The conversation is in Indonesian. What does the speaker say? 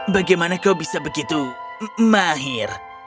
bagaimana kau bisa begitu mahir